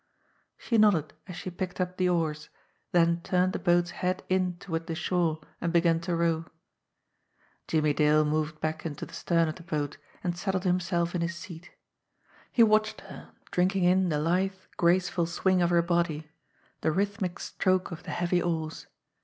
She nodded as she picked up the oars, then turned the boat's head in toward the shore and began to row. Jimmie Dale moved back into the stern of the boat and settled himself in his seat. He watched her, drinking in the lithe, graceful swing of her body, the rhythmic stroke of the heavy oars.